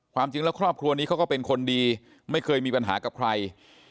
ความจริงแล้วครอบครัวนี้เขาก็เป็นคนดีไม่เคยมีปัญหากับใคร